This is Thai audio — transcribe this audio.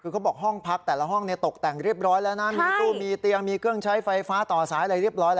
คือเขาบอกห้องพักแต่ละห้องตกแต่งเรียบร้อยแล้วนะมีตู้มีเตียงมีเครื่องใช้ไฟฟ้าต่อสายอะไรเรียบร้อยแล้ว